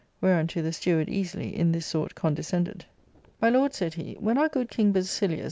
Whereunto the steward easily in this sort CMidescended. " My lord," said he, " when our good king Basilius.